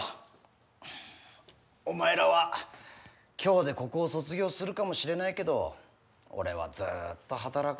お前らは今日でここを卒業するかもしれないけど俺はずっと働くの。